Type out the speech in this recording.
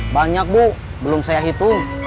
banyak bu belum saya hitung